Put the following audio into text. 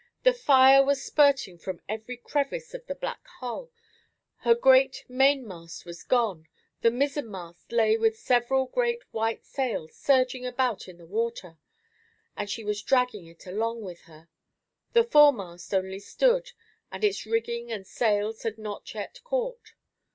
The fire was spurting from every crevice of the black hull, her great main mast was gone, the mizzen mast lay with several great white sails surging about in the water, and she was dragging it along with her. The foremast only stood, and its rigging and sails had not yet caught.